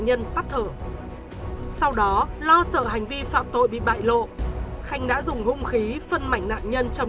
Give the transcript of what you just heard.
nhân tắt thở sau đó lo sợ hành vi phạm tội bị bại lộ khanh đã dùng hung khí phân mảnh nạn nhân trong